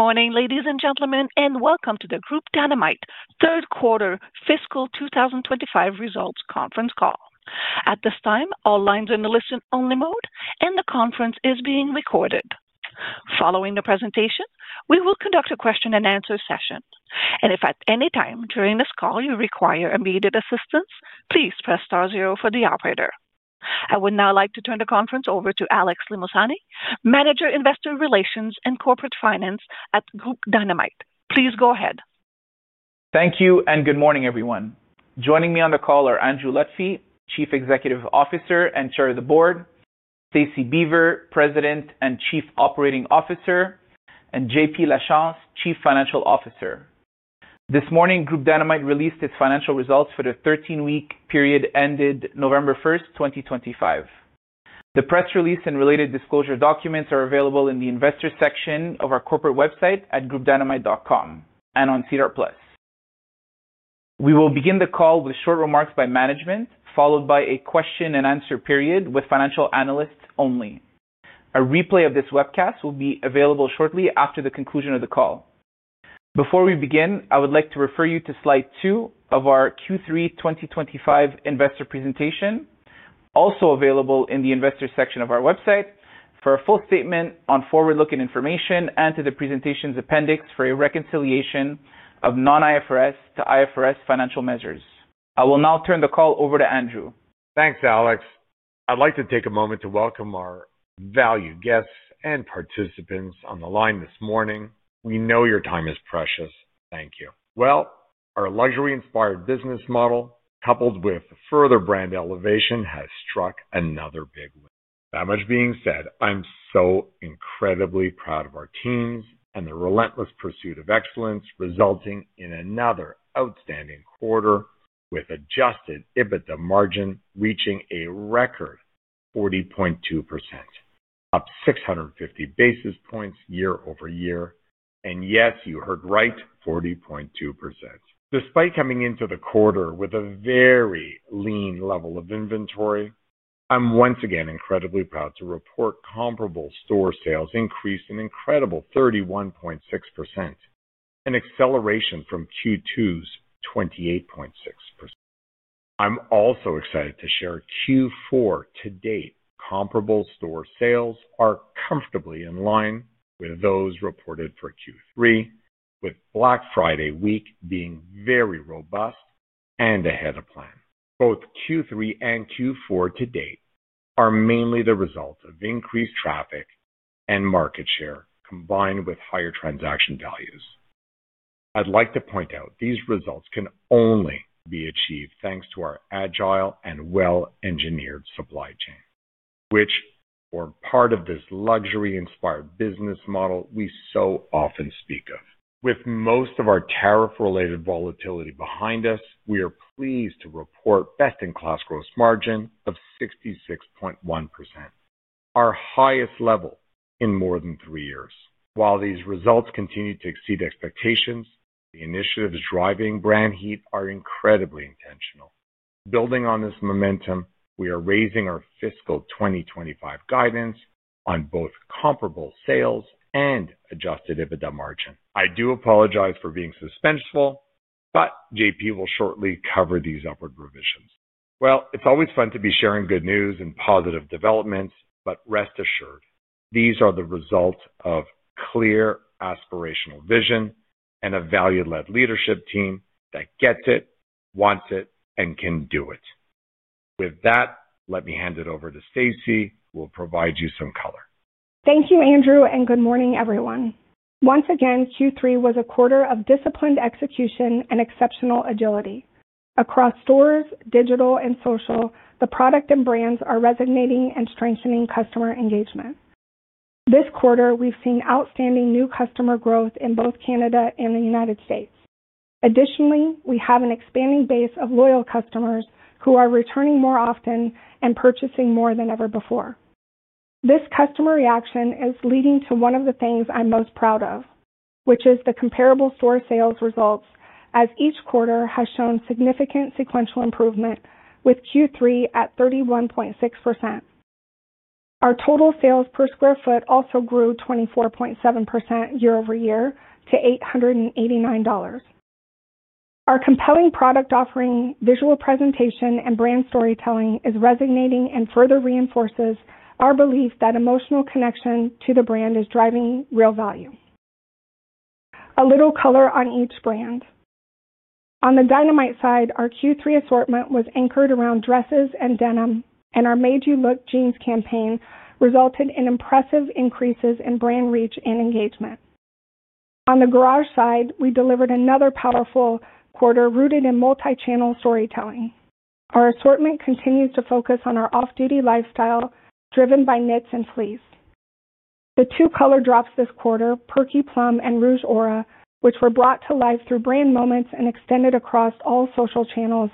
Good morning, ladies and gentlemen, and welcome to the Groupe Dynamite third quarter fiscal 2025 results conference call. At this time, all lines are in the listen-only mode, and the conference is being recorded. Following the presentation, we will conduct a question-and-answer session. And if at any time during this call you require immediate assistance, please press star zero for the operator. I would now like to turn the conference over to Alex Limosani, Manager, Investor Relations and Corporate Finance at Groupe Dynamite. Please go ahead. Thank you and good morning, everyone. Joining me on the call are Andrew Lutfy, Chief Executive Officer and Chair of the Board, Stacie Beaver, President and Chief Operating Officer, and JP Lachance, Chief Financial Officer. This morning, Groupe Dynamite released its financial results for the 13-week period ended November 1, 2025. The press release and related disclosure documents are available in the Investor section of our corporate website at groupedynamite.com and on SEDAR+. We will begin the call with short remarks by management, followed by a question-and-answer period with financial analysts only. A replay of this webcast will be available shortly after the conclusion of the call. Before we begin, I would like to refer you to slide two of our Q3 2025 investor presentation, also available in the Investor section of our website, for a full statement on forward-looking information and to the presentation's appendix for a reconciliation of non-IFRS to IFRS financial measures. I will now turn the call over to Andrew. Thanks, Alex. I'd like to take a moment to welcome our valued guests and participants on the line this morning. We know your time is precious. Thank you. Our luxury-inspired business model, coupled with further brand elevation, has struck another big wave. That much being said, I'm so incredibly proud of our teams and the relentless pursuit of excellence, resulting in another outstanding quarter with Adjusted EBITDA margin reaching a record 40.2%, up 650 basis points year over year. And yes, you heard right, 40.2%. Despite coming into the quarter with a very lean level of inventory, I'm once again incredibly proud to report comparable store sales increased an incredible 31.6%, an acceleration from Q2's 28.6%. I'm also excited to share Q4 to date, comparable store sales are comfortably in line with those reported for Q3, with Black Friday week being very robust and ahead of plan. Both Q3 and Q4 to date are mainly the result of increased traffic and market share combined with higher transaction values. I'd like to point out these results can only be achieved thanks to our agile and well-engineered supply chain, which are part of this luxury-inspired business model we so often speak of. With most of our tariff-related volatility behind us, we are pleased to report best-in-class gross margin of 66.1%, our highest level in more than three years. While these results continue to exceed expectations, the initiatives driving brand heat are incredibly intentional. Building on this momentum, we are raising our fiscal 2025 guidance on both comparable sales and adjusted EBITDA margin. I do apologize for being suspenseful, but JP will shortly cover these upward revisions. It's always fun to be sharing good news and positive developments, but rest assured, these are the results of clear aspirational vision and a value-led leadership team that gets it, wants it, and can do it. With that, let me hand it over to Stacie, who will provide you some color. Thank you, Andrew, and good morning, everyone. Once again, Q3 was a quarter of disciplined execution and exceptional agility. Across stores, digital, and social, the product and brands are resonating and strengthening customer engagement. This quarter, we've seen outstanding new customer growth in both Canada and the United States. Additionally, we have an expanding base of loyal customers who are returning more often and purchasing more than ever before. This customer reaction is leading to one of the things I'm most proud of, which is the comparable store sales results, as each quarter has shown significant sequential improvement, with Q3 at 31.6%. Our total sales per sq. ft. also grew 24.7% year over year to 889 dollars. Our compelling product offering, visual presentation, and brand storytelling is resonating and further reinforces our belief that emotional connection to the brand is driving real value. A little color on each brand. On the Dynamite side, our Q3 assortment was anchored around dresses and denim, and our Made You Look jeans campaign resulted in impressive increases in brand reach and engagement. On the Garage side, we delivered another powerful quarter rooted in multi-channel storytelling. Our assortment continues to focus on our off-duty lifestyle driven by knits and fleece. The two color drops this quarter, Perky Plum and Rouge Aura, which were brought to life through brand moments and extended across all social channels,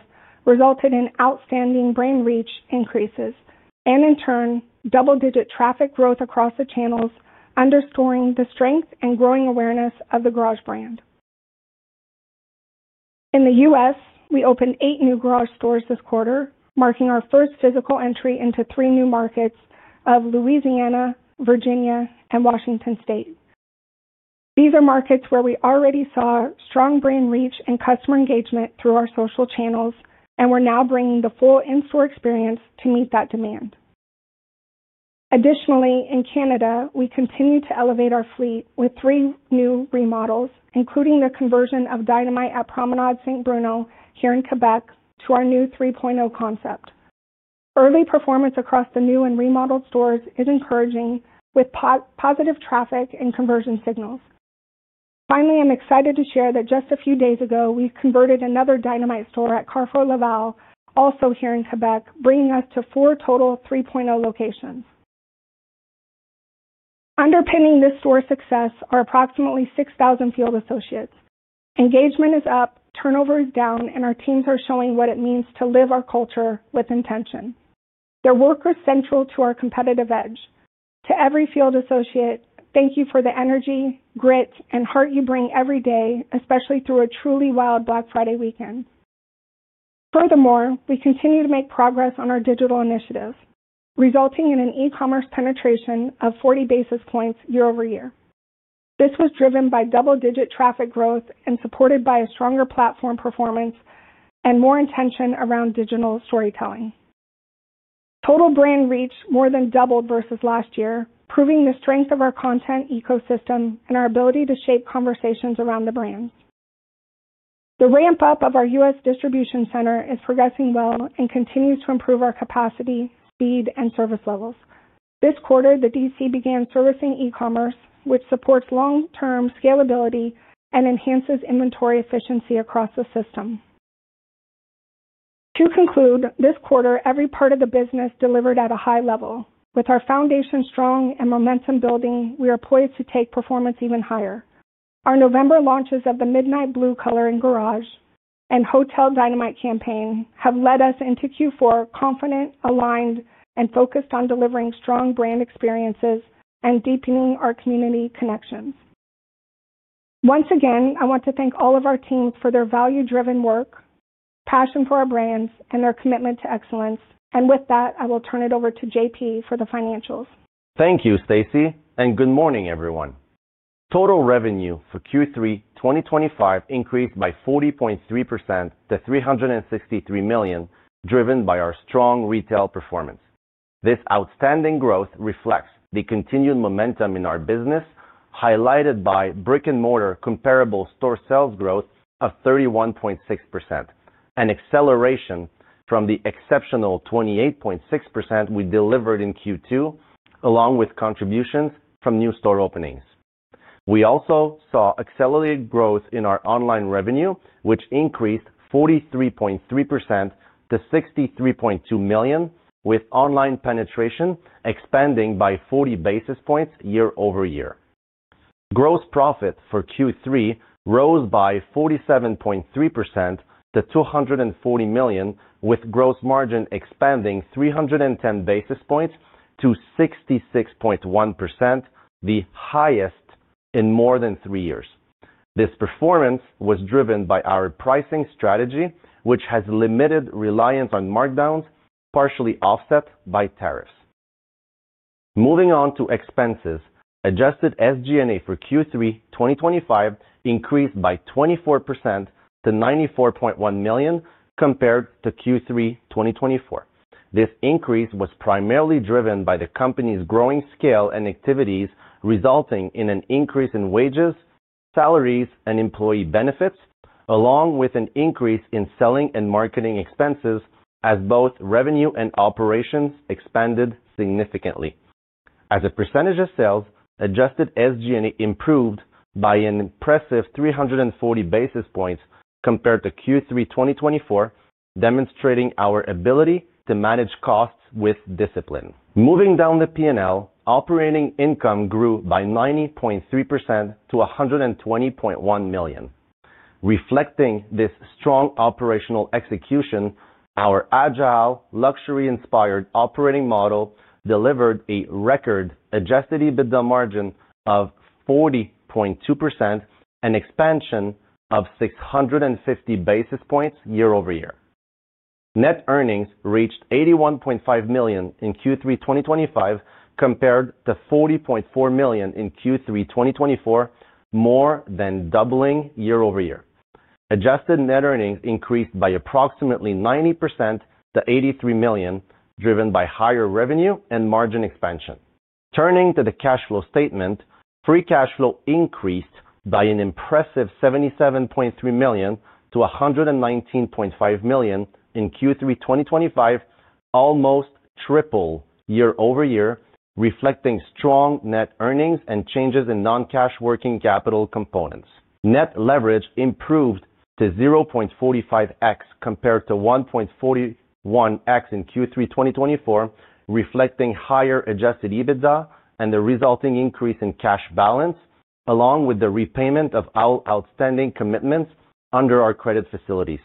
resulted in outstanding brand reach increases and, in turn, double-digit traffic growth across the channels, underscoring the strength and growing awareness of the Garage brand. In the U.S., we opened eight new Garage stores this quarter, marking our first physical entry into three new markets of Louisiana, Virginia, and Washington State. These are markets where we already saw strong brand reach and customer engagement through our social channels, and we're now bringing the full in-store experience to meet that demand. Additionally, in Canada, we continue to elevate our fleet with three new remodels, including the conversion of Dynamite at Promenades St-Bruno here in Quebec to our new 3.0 concept. Early performance across the new and remodeled stores is encouraging, with positive traffic and conversion signals. Finally, I'm excited to share that just a few days ago, we converted another Dynamite store at Carrefour Laval, also here in Quebec, bringing us to four total 3.0 locations. Underpinning this store success are approximately 6,000 field associates. Engagement is up, turnover is down, and our teams are showing what it means to live our culture with intention. Their work is central to our competitive edge. To every field associate, thank you for the energy, grit, and heart you bring every day, especially through a truly wild Black Friday weekend. Furthermore, we continue to make progress on our digital initiatives, resulting in an e-commerce penetration of 40 basis points year over year. This was driven by double-digit traffic growth and supported by a stronger platform performance and more intention around digital storytelling. Total brand reach more than doubled versus last year, proving the strength of our content ecosystem and our ability to shape conversations around the brands. The ramp-up of our U.S. distribution center is progressing well and continues to improve our capacity, speed, and service levels. This quarter, the DC began servicing e-commerce, which supports long-term scalability and enhances inventory efficiency across the system. To conclude, this quarter, every part of the business delivered at a high level. With our foundation strong and momentum building, we are poised to take performance even higher. Our November launches of the Midnight Blue color in Garage and Hotel Dynamite campaign have led us into Q4 confident, aligned, and focused on delivering strong brand experiences and deepening our community connections. Once again, I want to thank all of our teams for their value-driven work, passion for our brands, and their commitment to excellence. And with that, I will turn it over to JP for the financials. Thank you, Stacie, and good morning, everyone. Total revenue for Q3 2025 increased by 40.3% to 363 million, driven by our strong retail performance. This outstanding growth reflects the continued momentum in our business, highlighted by brick-and-mortar comparable store sales growth of 31.6%, an acceleration from the exceptional 28.6% we delivered in Q2, along with contributions from new store openings. We also saw accelerated growth in our online revenue, which increased 43.3% to 63.2 million, with online penetration expanding by 40 basis points year over year. Gross profit for Q3 rose by 47.3% to 240 million, with gross margin expanding 310 basis points to 66.1%, the highest in more than three years. This performance was driven by our pricing strategy, which has limited reliance on markdowns, partially offset by tariffs. Moving on to expenses, adjusted SG&A for Q3 2025 increased by 24% to 94.1 million compared to Q3 2024. This increase was primarily driven by the company's growing scale and activities, resulting in an increase in wages, salaries, and employee benefits, along with an increase in selling and marketing expenses as both revenue and operations expanded significantly. As a percentage of sales, adjusted SG&A improved by an impressive 340 basis points compared to Q3 2024, demonstrating our ability to manage costs with discipline. Moving down the P&L, operating income grew by 90.3% to 120.1 million. Reflecting this strong operational execution, our agile, luxury-inspired operating model delivered a record adjusted EBITDA margin of 40.2%, an expansion of 650 basis points year over year. Net earnings reached 81.5 million in Q3 2025 compared to 40.4 million in Q3 2024, more than doubling year over year. Adjusted net earnings increased by approximately 90% to 83 million, driven by higher revenue and margin expansion. Turning to the cash flow statement, free cash flow increased by an impressive 77.3 million to 119.5 million in Q3 2025, almost triple year over year, reflecting strong net earnings and changes in non-cash working capital components. Net leverage improved to 0.45x compared to 1.41x in Q3 2024, reflecting higher adjusted EBITDA and the resulting increase in cash balance, along with the repayment of our outstanding commitments under our credit facilities.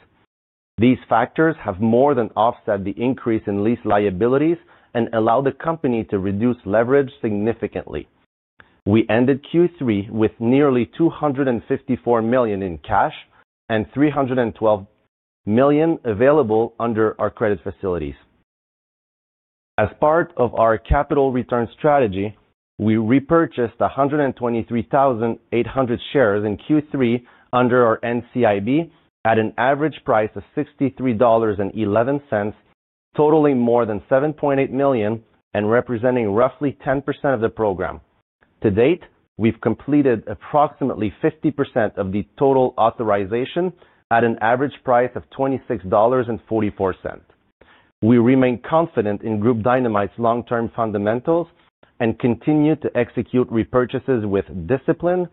These factors have more than offset the increase in lease liabilities and allowed the company to reduce leverage significantly. We ended Q3 with nearly 254 million in cash and 312 million available under our credit facilities. As part of our capital return strategy, we repurchased 123,800 shares in Q3 under our NCIB at an average price of 63.11 dollars, totaling more than 7.8 million and representing roughly 10% of the program. To date, we've completed approximately 50% of the total authorization at an average price of 26.44 dollars. We remain confident in Groupe Dynamite's long-term fundamentals and continue to execute repurchases with discipline,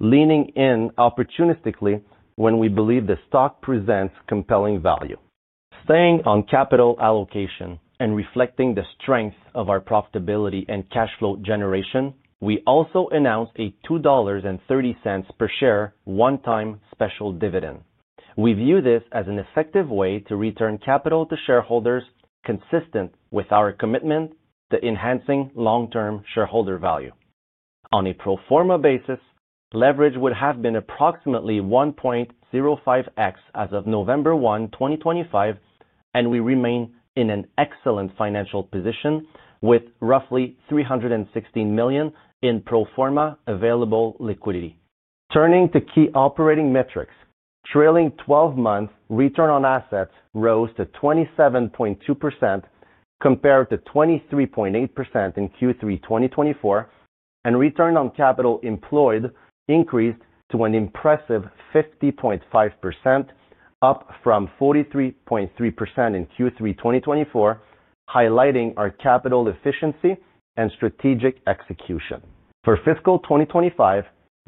leaning in opportunistically when we believe the stock presents compelling value. Staying on capital allocation and reflecting the strength of our profitability and cash flow generation, we also announced a 2.30 dollars per share one-time special dividend. We view this as an effective way to return capital to shareholders, consistent with our commitment to enhancing long-term shareholder value. On a pro forma basis, leverage would have been approximately 1.05x as of November 1, 2025, and we remain in an excellent financial position with roughly 316 million in pro forma available liquidity. Turning to key operating metrics, trailing 12-month return on assets rose to 27.2% compared to 23.8% in Q3 2024, and return on capital employed increased to an impressive 50.5%, up from 43.3% in Q3 2024, highlighting our capital efficiency and strategic execution. For fiscal 2025,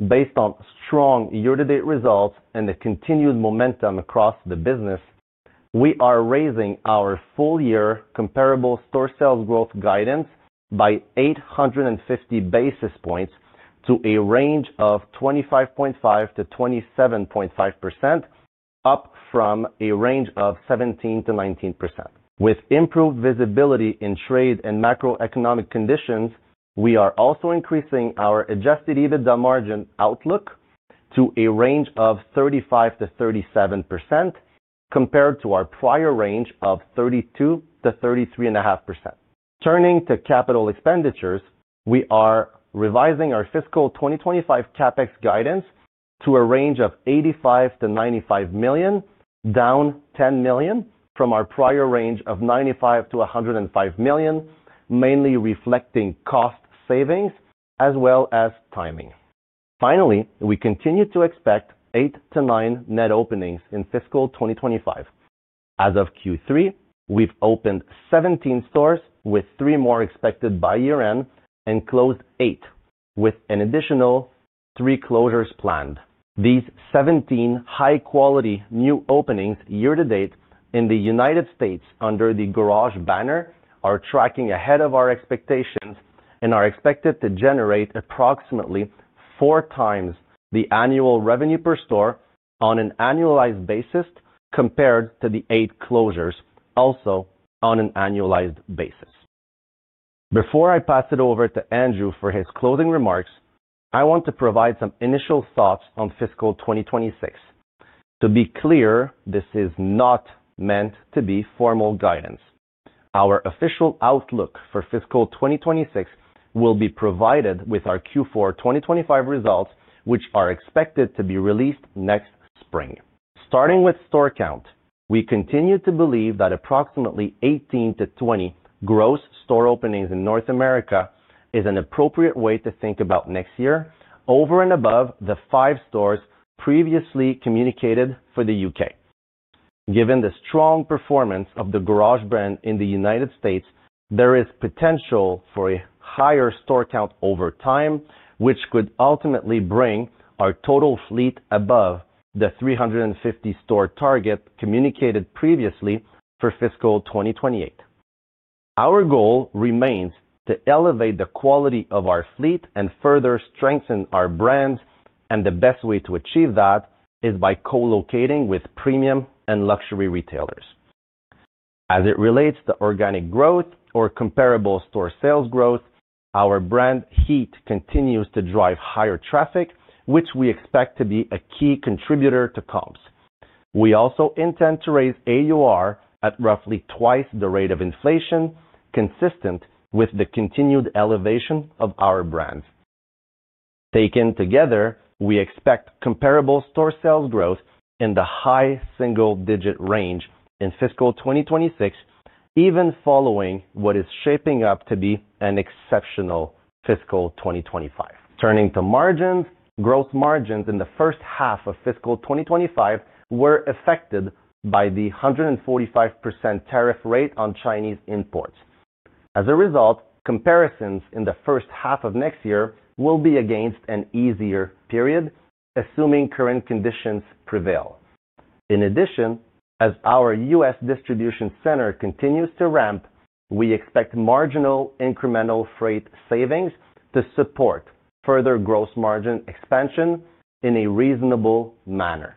based on strong year-to-date results and the continued momentum across the business, we are raising our full-year comparable store sales growth guidance by 850 basis points to a range of 25.5%-27.5%, up from a range of 17%-19%. With improved visibility in trade and macroeconomic conditions, we are also increasing our adjusted EBITDA margin outlook to a range of 35%-37% compared to our prior range of 32%-33.5%. Turning to capital expenditures, we are revising our fiscal 2025 CapEx guidance to a range of 85.00-95.00 million, down 10.00 million from our prior range of 95.00 million-105.00 million, mainly reflecting cost savings as well as timing. Finally, we continue to expect eight to nine net openings in fiscal 2025. As of Q3, we've opened 17 stores with three more expected by year-end and closed eight, with an additional three closures planned. These 17 high-quality new openings year-to-date in the United States under the Garage banner are tracking ahead of our expectations and are expected to generate approximately four times the annual revenue per store on an annualized basis compared to the eight closures also on an annualized basis. Before I pass it over to Andrew for his closing remarks, I want to provide some initial thoughts on fiscal 2026. To be clear, this is not meant to be formal guidance. Our official outlook for fiscal 2026 will be provided with our Q4 2025 results, which are expected to be released next spring. Starting with store count, we continue to believe that approximately 18-20 gross store openings in North America is an appropriate way to think about next year over and above the five stores previously communicated for the U.K. Given the strong performance of the Garage brand in the United States, there is potential for a higher store count over time, which could ultimately bring our total fleet above the 350 store target communicated previously for fiscal 2028. Our goal remains to elevate the quality of our fleet and further strengthen our brands, and the best way to achieve that is by co-locating with premium and luxury retailers. As it relates to organic growth or comparable store sales growth, our brand heat continues to drive higher traffic, which we expect to be a key contributor to comps. We also intend to raise AUR at roughly twice the rate of inflation, consistent with the continued elevation of our brands. Taken together, we expect comparable store sales growth in the high single-digit range in fiscal 2026, even following what is shaping up to be an exceptional fiscal 2025. Turning to margins, gross margins in the first half of fiscal 2025 were affected by the 145% tariff rate on Chinese imports. As a result, comparisons in the first half of next year will be against an easier period, assuming current conditions prevail. In addition, as our U.S. distribution center continues to ramp, we expect marginal incremental freight savings to support further gross margin expansion in a reasonable manner.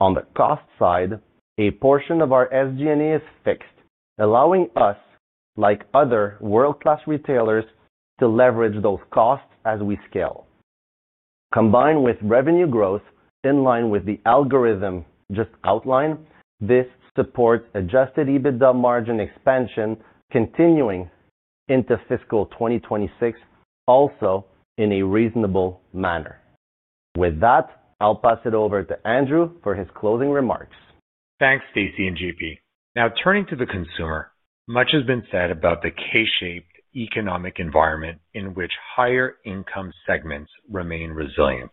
On the cost side, a portion of our SG&A is fixed, allowing us, like other world-class retailers, to leverage those costs as we scale. Combined with revenue growth in line with the algorithm just outlined, this supports adjusted EBITDA margin expansion continuing into fiscal 2026 also in a reasonable manner. With that, I'll pass it over to Andrew for his closing remarks. Thanks, Stacie and JP. Now, turning to the consumer, much has been said about the K-shaped economic environment in which higher income segments remain resilient.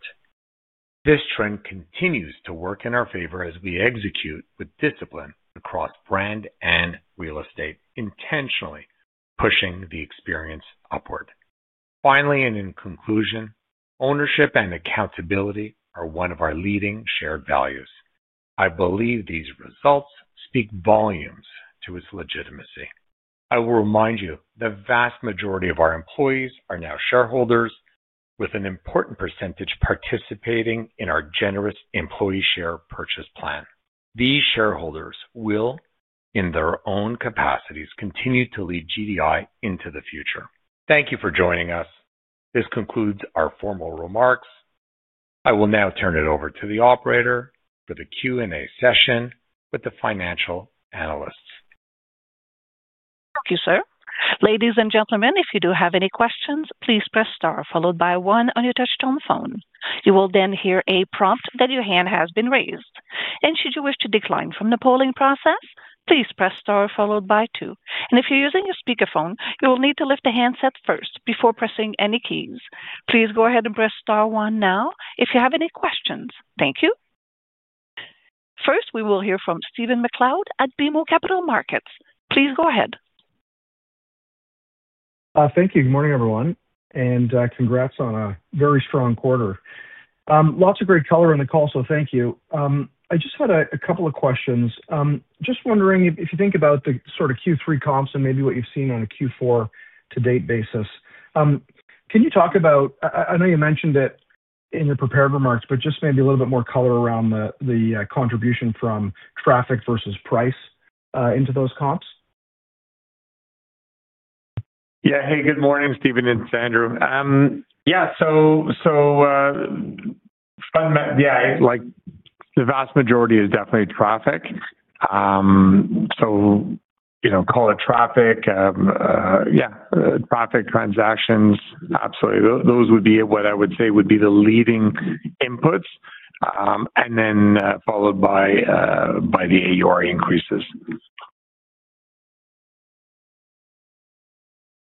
This trend continues to work in our favor as we execute with discipline across brand and real estate, intentionally pushing the experience upward. Finally, and in conclusion, ownership and accountability are one of our leading shared values. I believe these results speak volumes to its legitimacy. I will remind you the vast majority of our employees are now shareholders, with an important percentage participating in our generous employee share purchase plan. These shareholders will, in their own capacities, continue to lead GDI into the future. Thank you for joining us. This concludes our formal remarks. I will now turn it over to the operator for the Q&A session with the financial analysts. Thank you, sir. Ladies and gentlemen, if you do have any questions, please press star followed by one on your touch-tone phone. You will then hear a prompt that your hand has been raised. And should you wish to decline from the polling process, please press star followed by two. And if you're using your speakerphone, you will need to lift the handset first before pressing any keys. Please go ahead and press star one now if you have any questions. Thank you. First, we will hear from Stephen MacLeod at BMO Capital Markets. Please go ahead. Thank you. Good morning, everyone. And congrats on a very strong quarter. Lots of great color on the call, so thank you. I just had a couple of questions. Just wondering if you think about the sort of Q3 comps and maybe what you've seen on a Q4 to date basis. Can you talk about, I know you mentioned it in your prepared remarks, but just maybe a little bit more color around the contribution from traffic versus price into those comps? Yeah. Hey, good morning, Stephen. This isAndrew. Yeah. So yeah, the vast majority is definitely traffic. So call it traffic. Yeah. Traffic transactions. Absolutely. Those would be what I would say would be the leading inputs, and then followed by the AUR increases.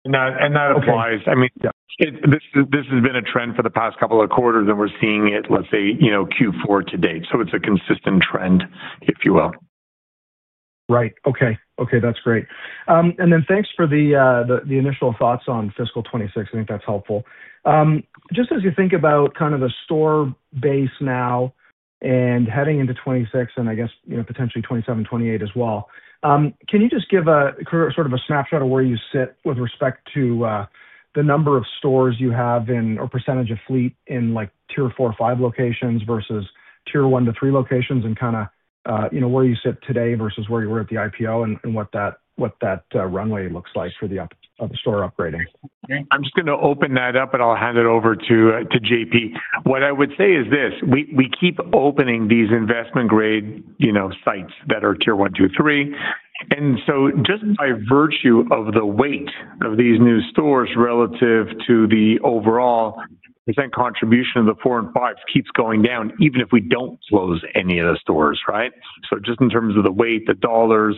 And that applies. I mean, this has been a trend for the past couple of quarters, and we're seeing it, let's say, Q4 to date. So it's a consistent trend, if you will. Right. Okay. Okay. That's great. And then thanks for the initial thoughts on fiscal 2026. I think that's helpful. Just as you think about kind of the store base now and heading into 2026 and I guess potentially 2027, 2028 as well, can you just give a sort of a snapshot of where you sit with respect to the number of stores you have or percentage of fleet in Tier 4 or 5 locations versus Tier 1 to 3 locations and kind of where you sit today versus where you were at the IPO and what that runway looks like for the store upgrading? I'm just going to open that up, and I'll hand it over to JP. What I would say is this: We keep opening these investment-grade sites that are Tier 1, 2, 3. And so just by virtue of the weight of these new stores relative to the overall percent contribution of the Tier 4 and 5s keeps going down, even if we don't close any of the stores, right? So just in terms of the weight, the dollars,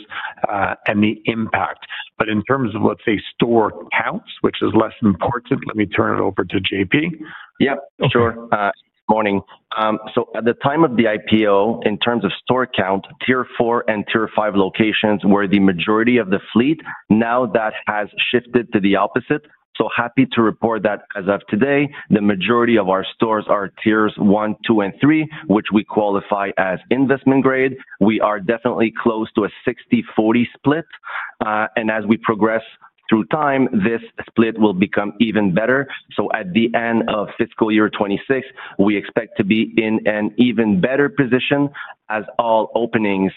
and the impact. But in terms of, let's say, store counts, which is less important, let me turn it over to JP. Yeah. Sure. Good morning, so at the time of the IPO, in terms of store count, Tier 4 and Tier 5 locations were the majority of the fleet. Now that has shifted to the opposite, so happy to report that as of today, the majority of our stores are Tier 1, 2, and 3, which we qualify as investment-grade. We are definitely close to a 60/40 split, and as we progress through time, this split will become even better, so at the end of fiscal year 2026, we expect to be in an even better position as all openings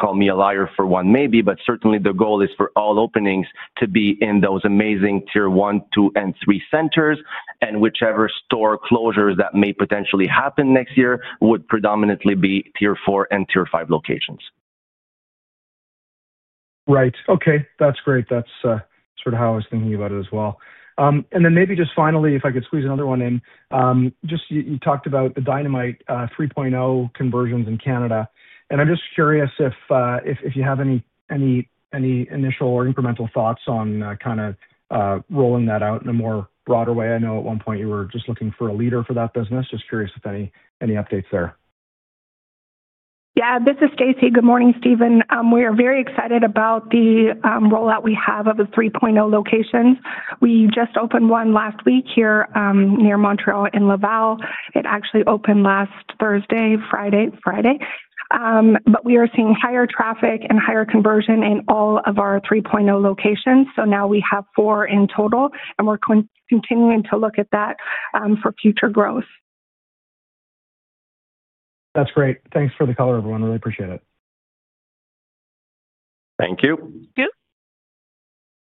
(call me a liar for one maybe) but certainly the goal is for all openings to be in those amazing Tier 1, 2, and 3 centers. And whichever store closures that may potentially happen next year would predominantly be Tier 4 and Tier 5 locations. Right. Okay. That's great. That's sort of how I was thinking about it as well. And then maybe just finally, if I could squeeze another one in, just you talked about the Dynamite 3.0 conversions in Canada. And I'm just curious if you have any initial or incremental thoughts on kind of rolling that out in a more broader way. I know at one point you were just looking for a leader for that business. Just curious if any updates there. Yeah. This is Stacie. Good morning, Stephen. We are very excited about the rollout we have of the 3.0 locations. We just opened one last week here near Montreal in Laval. It actually opened last Thursday, Friday. But we are seeing higher traffic and higher conversion in all of our 3.0 locations. So now we have four in total, and we're continuing to look at that for future growth. That's great. Thanks for the color, everyone. Really appreciate it. Thank you. Thank you.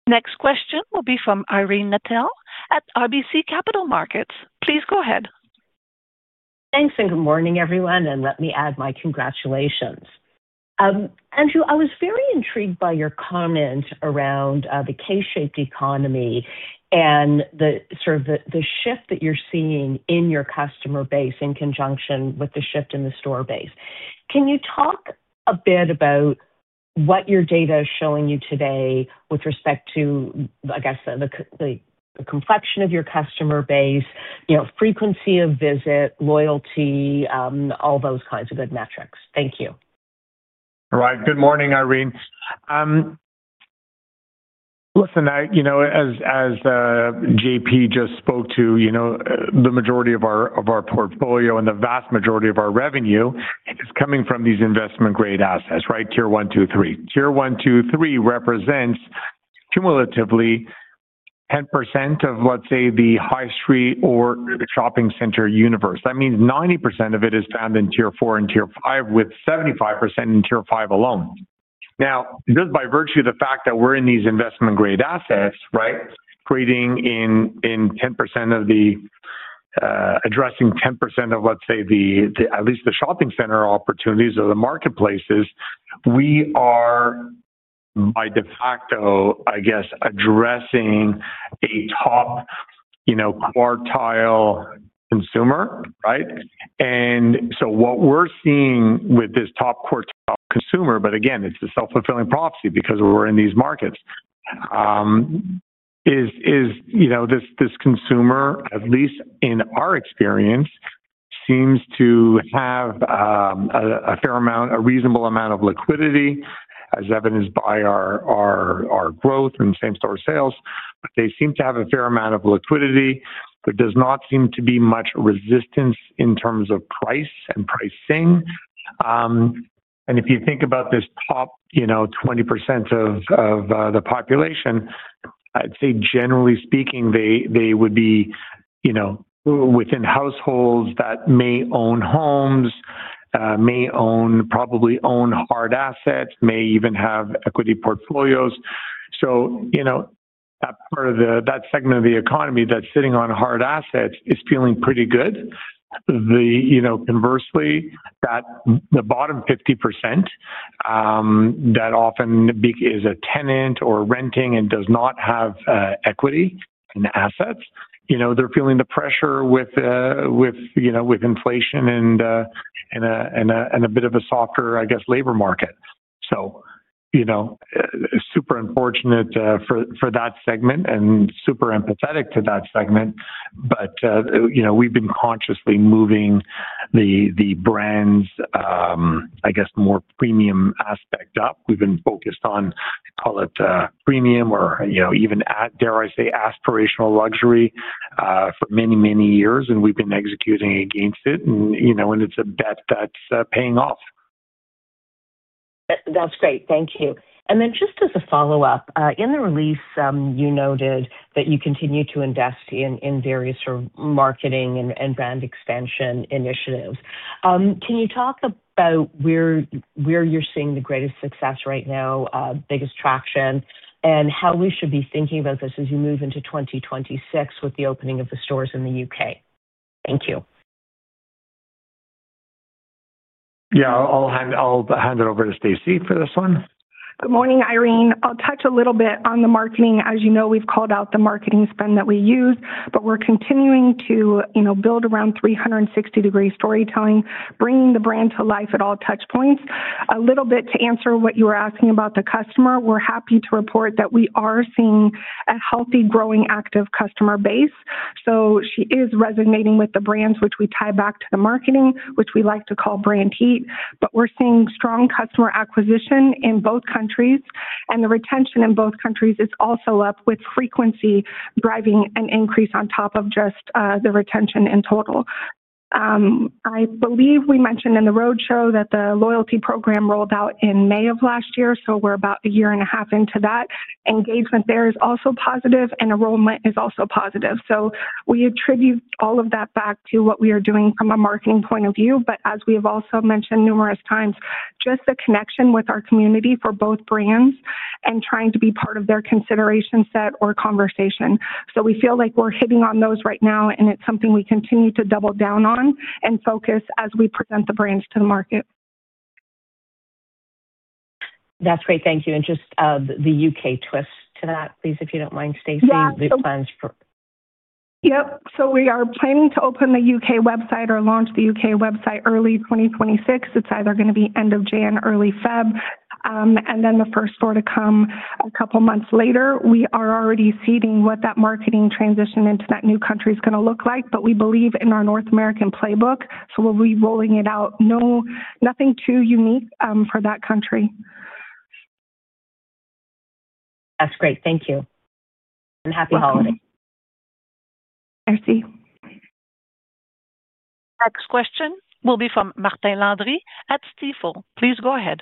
Next question will be from Irene Nattel at RBC Capital Markets. Please go ahead. Thanks and good morning, everyone. Let me add my congratulations. Andrew, I was very intrigued by your comment around the K-shaped economy and sort of the shift that you're seeing in your customer base in conjunction with the shift in the store base. Can you talk a bit about what your data is showing you today with respect to, I guess, the complexion of your customer base, frequency of visit, loyalty, all those kinds of good metrics? Thank you. All right. Good morning, Irene. Listen, as JP just spoke to, the majority of our portfolio and the vast majority of our revenue is coming from these investment-grade assets, right? Tier 1, 2, 3. Tier 1, 2, 3 represents cumulatively 10% of, let's say, the high street or shopping center universe. That means 90% of it is found in Tier 4 and Tier 5 with 75% in Tier 5 alone. Now, just by virtue of the fact that we're in these investment-grade assets, right, creating in 10% of the addressing 10% of, let's say, at least the shopping center opportunities or the marketplaces, we are by de facto, I guess, addressing a top quartile consumer, right? What we're seeing with this top quartile consumer, but again, it's a self-fulfilling prophecy because we're in these markets, is this consumer, at least in our experience, seems to have a fair amount, a reasonable amount of liquidity, as evidenced by our growth and same-store sales. They seem to have a fair amount of liquidity, but there does not seem to be much resistance in terms of price and pricing. If you think about this top 20% of the population, I'd say, generally speaking, they would be within households that may own homes, may probably own hard assets, may even have equity portfolios. That part of that segment of the economy that's sitting on hard assets is feeling pretty good. Conversely, that the bottom 50% that often is a tenant or renting and does not have equity in assets, they're feeling the pressure with inflation and a bit of a softer, I guess, labor market. So super unfortunate for that segment and super empathetic to that segment. But we've been consciously moving the brand's, I guess, more premium aspect up. We've been focused on, call it premium or even, dare I say, aspirational luxury for many, many years, and we've been executing against it. And it's a bet that's paying off. That's great. Thank you. And then just as a follow-up, in the release, you noted that you continue to invest in various marketing and brand expansion initiatives. Can you talk about where you're seeing the greatest success right now, biggest traction, and how we should be thinking about this as you move into 2026 with the opening of the stores in the U.K.? Thank you. Yeah. I'll hand it over to Stacie for this one. Good morning, Irene. I'll touch a little bit on the marketing. As you know, we've called out the marketing spend that we use, but we're continuing to build around 360-degree storytelling, bringing the brand to life at all touch points. A little bit to answer what you were asking about the customer, we're happy to report that we are seeing a healthy, growing, active customer base. So she is resonating with the brands, which we tie back to the marketing, which we like to call brand heat. But we're seeing strong customer acquisition in both countries. And the retention in both countries is also up with frequency driving an increase on top of just the retention in total. I believe we mentioned in the roadshow that the loyalty program rolled out in May of last year. So we're about a year and a half into that. Engagement there is also positive, and enrollment is also positive. So we attribute all of that back to what we are doing from a marketing point of view. But as we have also mentioned numerous times, just the connection with our community for both brands and trying to be part of their consideration set or conversation. So we feel like we're hitting on those right now, and it's something we continue to double down on and focus as we present the brands to the market. That's great. Thank you. And just the U.K. twist to that, please, if you don't mind, Stacie. Yep. So we are planning to open the U.K. website or launch the U.K. website early 2026. It's either going to be end of January, early February, and then the first store to come a couple of months later. We are already seeing what that marketing transition into that new country is going to look like, but we believe in our North American playbook. So we'll be rolling it out. Nothing too unique for that country. That's great. Thank you, and happy holidays. Next question will be from Martin Landry at Stifel. Please go ahead.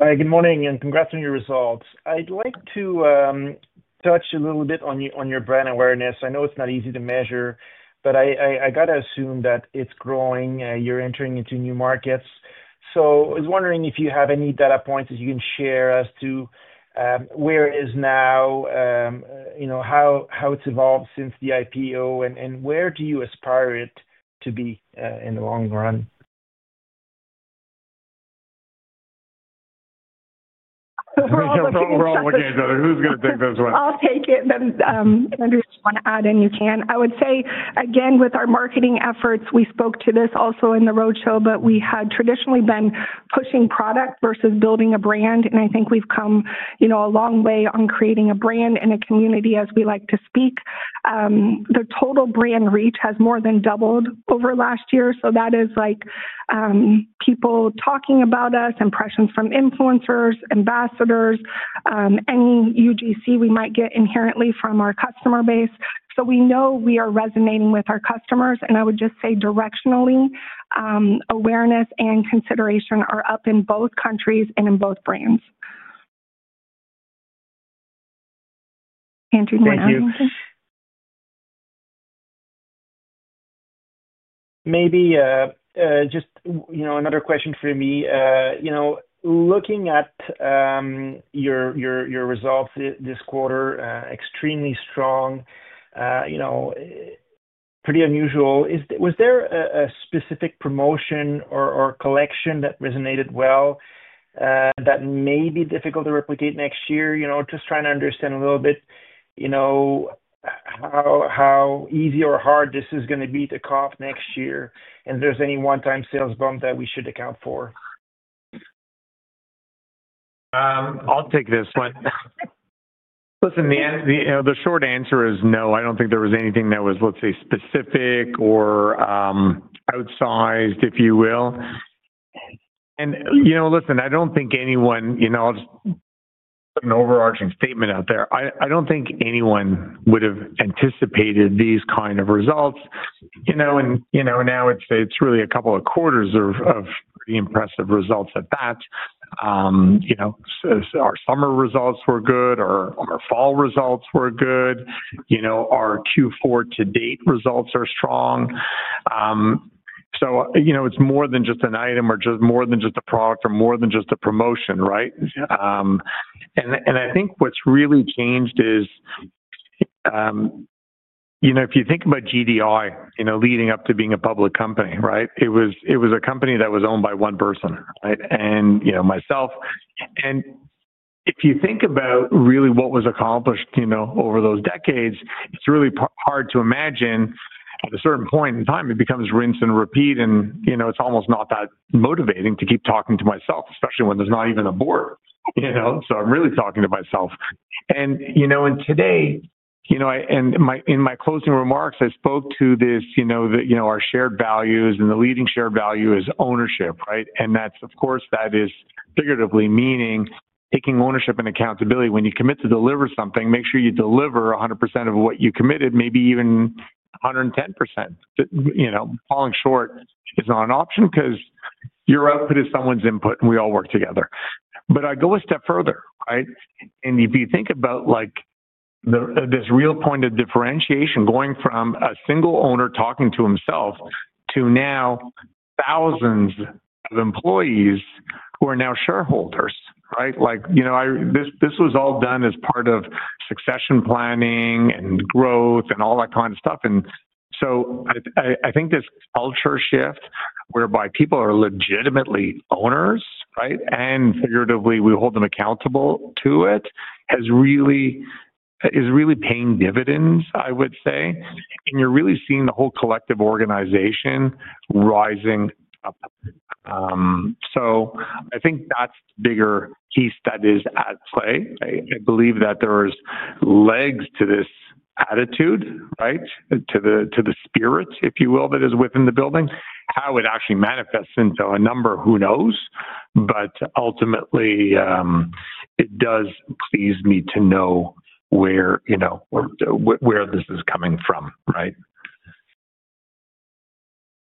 Good morning and congrats on your results. I'd like to touch a little bit on your brand awareness. I know it's not easy to measure, but I got to assume that it's growing. You're entering into new markets. So I was wondering if you have any data points that you can share as to where it is now, how it's evolved since the IPO, and where do you aspire it to be in the long run? Who's going to take this one? I'll take it. Andrew, if you want to add in, you can. I would say, again, with our marketing efforts, we spoke to this also in the roadshow, but we had traditionally been pushing product versus building a brand. And I think we've come a long way on creating a brand and a community, as we like to speak. The total brand reach has more than doubled over last year. So that is people talking about us, impressions from influencers, ambassadors, any UGC we might get inherently from our customer base. So we know we are resonating with our customers. And I would just say, directionally, awareness and consideration are up in both countries and in both brands. Andrew, do you want to add anything? Thank you. Maybe just another question for me. Looking at your results this quarter, extremely strong, pretty unusual. Was there a specific promotion or collection that resonated well that may be difficult to replicate next year? Just trying to understand a little bit how easy or hard this is going to be to copy next year. And if there's any one-time sales bump that we should account for? I'll take this one. Listen, the short answer is no. I don't think there was anything that was, let's say, specific or outsized, if you will. And listen, I don't think anyone. I'll just put an overarching statement out there. I don't think anyone would have anticipated these kind of results. And now it's really a couple of quarters of pretty impressive results at that. Our summer results were good. Our fall results were good. Our Q4 to date results are strong. So it's more than just an item or more than just a product or more than just a promotion, right? And I think what's really changed is if you think about GDI leading up to being a public company, right? It was a company that was owned by one person, right? And myself. And if you think about really what was accomplished over those decades, it's really hard to imagine. At a certain point in time, it becomes rinse and repeat, and it's almost not that motivating to keep talking to myself, especially when there's not even a board. So I'm really talking to myself. And today, in my closing remarks, I spoke to this, our shared values, and the leading shared value is ownership, right? And of course, that is figuratively meaning taking ownership and accountability. When you commit to deliver something, make sure you deliver 100% of what you committed, maybe even 110%. Falling short is not an option because your output is someone's input, and we all work together. But I go a step further, right? If you think about this real point of differentiation going from a single owner talking to himself to now thousands of employees who are now shareholders, right? This was all done as part of succession planning and growth and all that kind of stuff. I think this culture shift whereby people are legitimately owners, right? And figuratively, we hold them accountable to it has really paid dividends, I would say. You're really seeing the whole collective organization rising up. That's the bigger piece that is at play. I believe that there are legs to this attitude, right? To the spirit, if you will, that is within the building. How it actually manifests into a number, who knows? But ultimately, it does please me to know where this is coming from, right?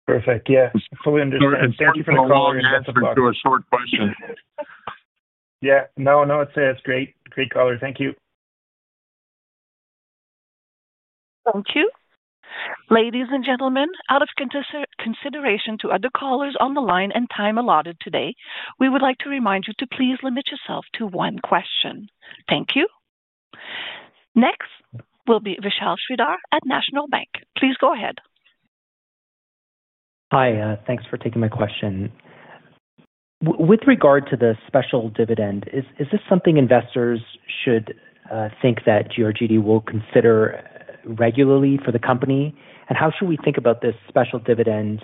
Perfect. Yeah. Fully understand. Thank you for the color. Thank you for the short question. Yeah. No, no. It's great. Great color. Thank you. Thank you. Ladies and gentlemen, out of consideration to other callers on the line and time allotted today, we would like to remind you to please limit yourself to one question. Thank you. Next will be Vishal Shreedhar at National Bank. Please go ahead. Hi. Thanks for taking my question. With regard to the special dividend, is this something investors should think that GRGD will consider regularly for the company? And how should we think about this special dividend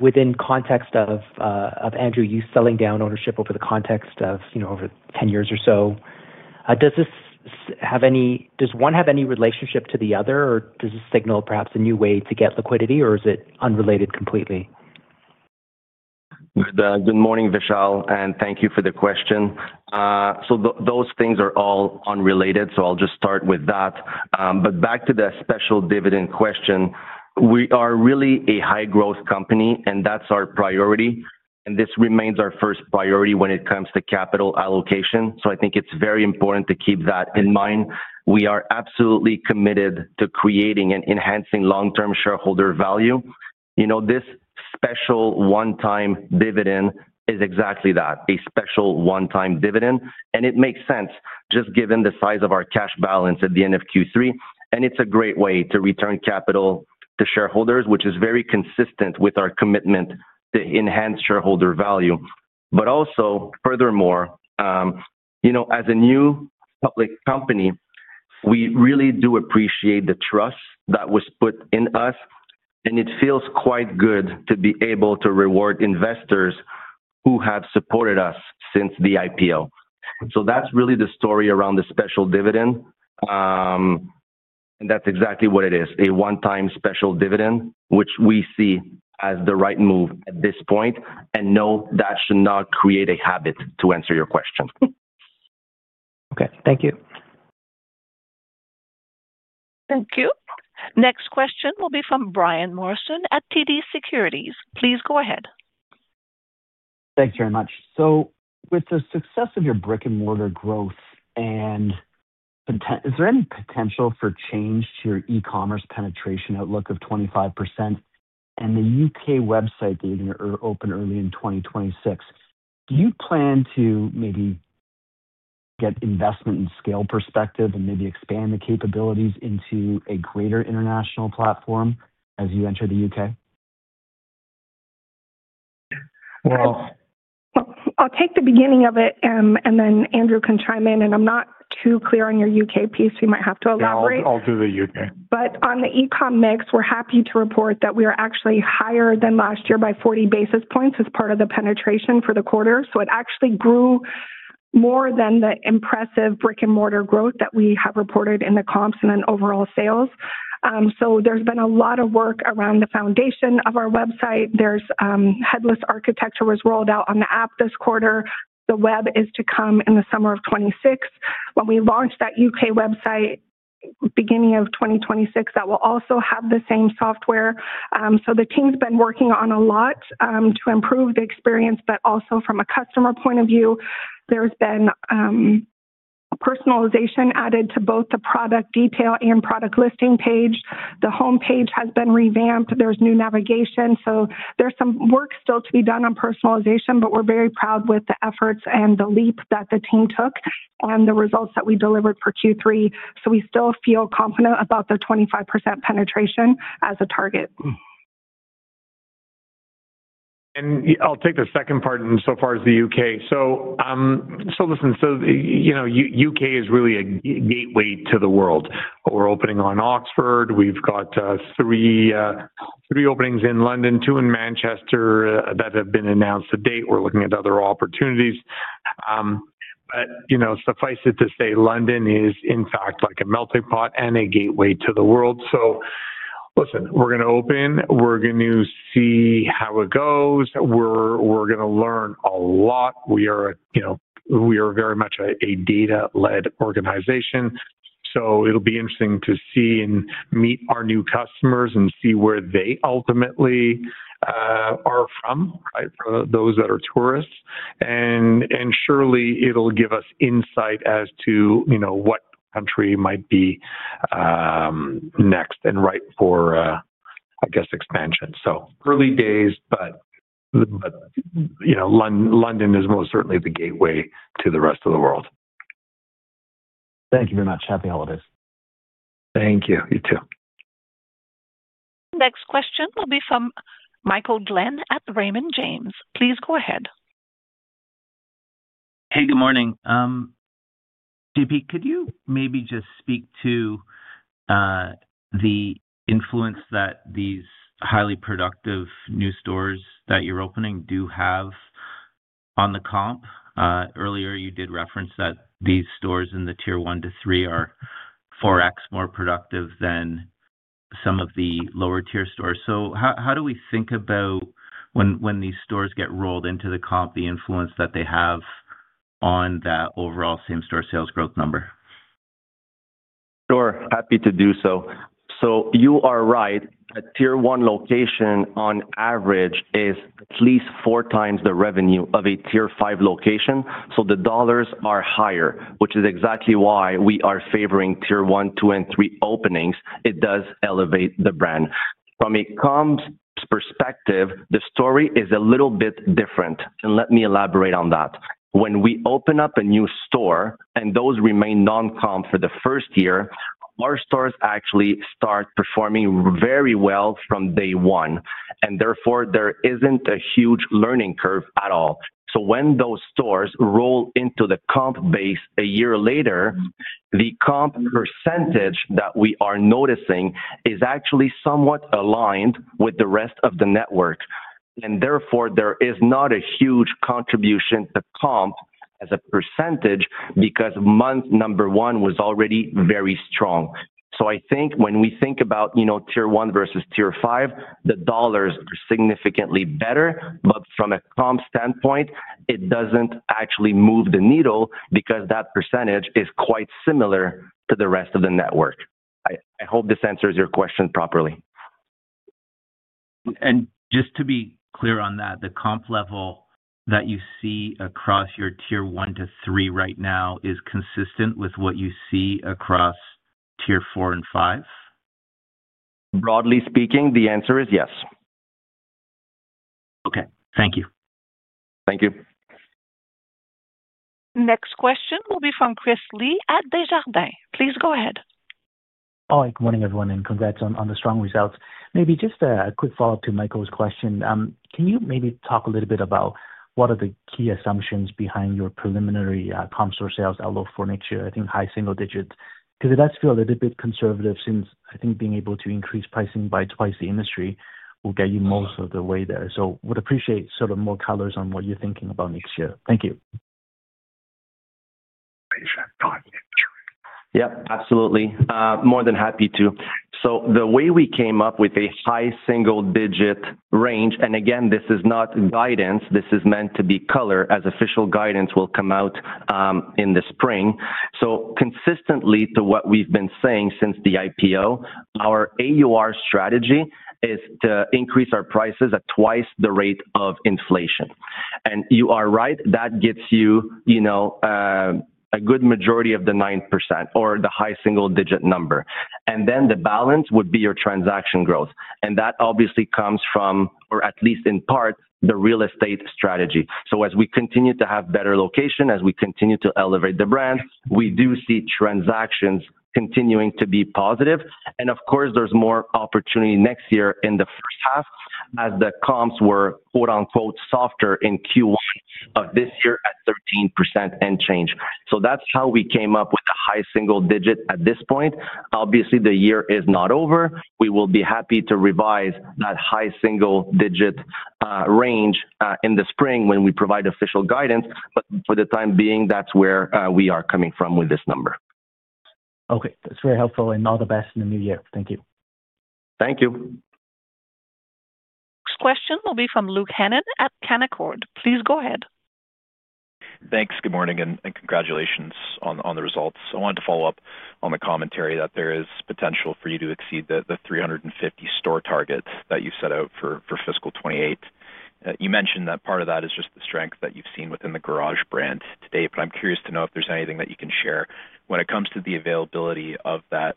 within context of Andrew, you selling down ownership over the context of over 10 years or so? Does this have any relationship to the other, or does this signal perhaps a new way to get liquidity, or is it unrelated completely? Good morning, Vishal. And thank you for the question. So those things are all unrelated. So I'll just start with that. But back to the special dividend question, we are really a high-growth company, and that's our priority. And this remains our first priority when it comes to capital allocation. So I think it's very important to keep that in mind. We are absolutely committed to creating and enhancing long-term shareholder value. This special one-time dividend is exactly that: a special one-time dividend. And it makes sense, just given the size of our cash balance at the end of Q3. And it's a great way to return capital to shareholders, which is very consistent with our commitment to enhance shareholder value. But also, furthermore, as a new public company, we really do appreciate the trust that was put in us. It feels quite good to be able to reward investors who have supported us since the IPO. That's really the story around the special dividend. That's exactly what it is: a one-time special dividend, which we see as the right move at this point. No, that should not create a habit, to answer your question. Okay. Thank you. Thank you. Next question will be from Brian Morrison at TD Securities. Please go ahead. Thanks very much. So with the success of your brick-and-mortar growth, is there any potential for change to your e-commerce penetration outlook of 25% and the U.K. website that you're going to open early in 2026? Do you plan to maybe get investment and scale perspective and maybe expand the capabilities into a greater international platform as you enter the U.K? I'll take the beginning of it, and then Andrew can chime in, and I'm not too clear on your U.K. piece. We might have to elaborate. Yeah. I'll do the U.K. But on the e-com mix, we're happy to report that we are actually higher than last year by 40 basis points as part of the penetration for the quarter. So it actually grew more than the impressive brick-and-mortar growth that we have reported in the comps and then overall sales. So there's been a lot of work around the foundation of our website. The headless architecture was rolled out on the app this quarter. The web is to come in the summer of 2026. When we launch that U.K. website beginning of 2026, that will also have the same software. So the team's been working on a lot to improve the experience, but also from a customer point of view, there's been personalization added to both the product detail and product listing page. The homepage has been revamped. There's new navigation. So there's some work still to be done on personalization, but we're very proud with the efforts and the leap that the team took and the results that we delivered for Q3. So we still feel confident about the 25% penetration as a target. I'll take the second part in so far as the U.K. So listen, so U.K. is really a gateway to the world. We're opening on Oxford Street. We've got three openings in London, two in Manchester that have been announced to date. We're looking at other opportunities. But suffice it to say, London is, in fact, like a melting pot and a gateway to the world. So listen, we're going to open. We're going to see how it goes. We're going to learn a lot. We are very much a data-led organization. So it'll be interesting to see and meet our new customers and see where they ultimately are from, right? For those that are tourists. And surely, it'll give us insight as to what country might be next and right for, I guess, expansion. Early days, but London is most certainly the gateway to the rest of the world. Thank you very much. Happy holidays. Thank you. You too. Next question will be from Michael Glen at Raymond James. Please go ahead. Hey, good morning. JP, could you maybe just speak to the influence that these highly productive new stores that you're opening do have on the comp? Earlier, you did reference that these stores in the Tier 1 to 3 are 4x more productive than some of the lower-tier stores. So how do we think about when these stores get rolled into the comp, the influence that they have on that overall same-store sales growth number? Sure. Happy to do so. So you are right. A Tier 1 location, on average, is at least four times the revenue of a Tier 5 location. So the dollars are higher, which is exactly why we are favoring Tier 1, 2, and 3 openings. It does elevate the brand. From a comps' perspective, the story is a little bit different. And let me elaborate on that. When we open up a new store and those remain non-comp for the first year, our stores actually start performing very well from day one. And therefore, there isn't a huge learning curve at all. So when those stores roll into the comp base a year later, the comp percentage that we are noticing is actually somewhat aligned with the rest of the network. Therefore, there is not a huge contribution to comp as a percentage because month number one was already very strong. So I think when we think about Tier 1 versus Tier 5, the dollars are significantly better. But from a comp standpoint, it doesn't actually move the needle because that percentage is quite similar to the rest of the network. I hope this answers your question properly. Just to be clear on that, the comp level that you see across your Tier 1 to three right now is consistent with what you see across Tier 4 and 5? Broadly speaking, the answer is yes. Okay. Thank you. Thank you. Next question will be from Chris Li at Desjardins. Please go ahead. All right. Good morning, everyone, and congrats on the strong results. Maybe just a quick follow-up to Michael's question. Can you maybe talk a little bit about what are the key assumptions behind your preliminary comp store sales outlook for next year? I think high single digits. Because it does feel a little bit conservative since, I think, being able to increase pricing by twice the industry will get you most of the way there. So would appreciate sort of more colors on what you're thinking about next year. Thank you. Yep. Absolutely. More than happy to. So the way we came up with a high single-digit range, and again, this is not guidance. This is meant to be color as official guidance will come out in the spring. So consistently to what we've been saying since the IPO, our AUR strategy is to increase our prices at twice the rate of inflation. And you are right. That gets you a good majority of the 9% or the high single-digit number. And then the balance would be your transaction growth. And that obviously comes from, or at least in part, the real estate strategy. So as we continue to have better location, as we continue to elevate the brand, we do see transactions continuing to be positive. Of course, there's more opportunity next year in the first half as the comps were, quote-unquote, "softer" in Q1 of this year at 13% and change. That's how we came up with the high single digit at this point. Obviously, the year is not over. We will be happy to revise that high single-digit range in the spring when we provide official guidance. For the time being, that's where we are coming from with this number. Okay. That's very helpful, and all the best in the new year. Thank you. Thank you. Next question will be from Luke Hannan at Canaccord. Please go ahead. Thanks. Good morning and congratulations on the results. I wanted to follow up on the commentary that there is potential for you to exceed the 350 store target that you set out for fiscal 2028. You mentioned that part of that is just the strength that you've seen within the Garage brand today. But I'm curious to know if there's anything that you can share. When it comes to the availability of that